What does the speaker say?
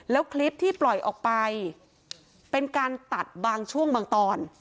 แล้วคลิปที่ปล่อยออกไปเป็นการตัดบางช่วงบางตอน